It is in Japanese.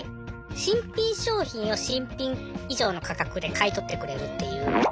新品商品を新品以上の価格で買い取ってくれるっていう。